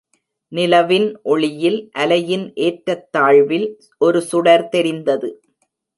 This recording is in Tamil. நிலவின் ஒளியில், அலையின் ஏற்றத்தாழ்வில் ஒரு சுடர் தெரிந்தது.